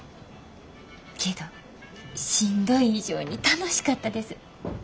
けどしんどい以上に楽しかったです。